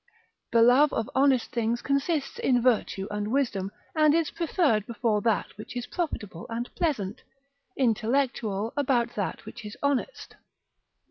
The love of honest things consists in virtue and wisdom, and is preferred before that which is profitable and pleasant: intellectual, about that which is honest.